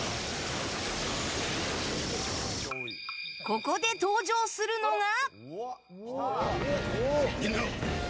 ここで登場するのが。